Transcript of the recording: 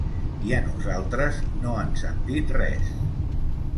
I a nosaltres no ens han dit res.